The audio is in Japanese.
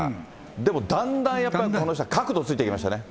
でも、だんだんやっぱりこの人は、角度ついてきましたね。